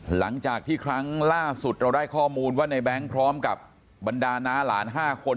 หลังจากที่ครั้งล่าสุดเราได้ข้อมูลว่าในแบงค์พร้อมกับบรรดาน้าหลาน๕คน